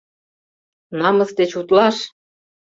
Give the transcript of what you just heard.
Намыс деч утлаш!